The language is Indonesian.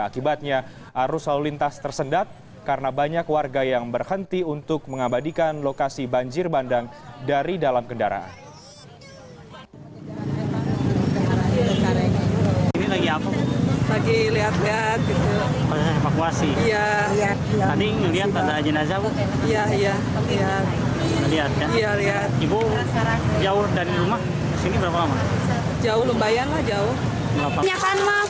akibatnya arus lalu lintas tersendat karena banyak warga yang berhenti untuk mengabadikan lokasi banjir bandang dari dalam kendaraan